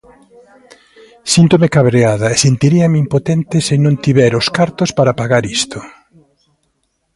Síntome cabreada e sentiríame impotente se non tiver os cartos para pagar isto.